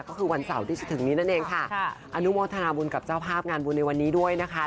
ก็คือวันเสาร์ที่จะถึงนี้นั่นเองค่ะอนุโมทนาบุญกับเจ้าภาพงานบุญในวันนี้ด้วยนะคะ